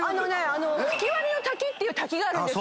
吹割の滝っていう滝があるんです。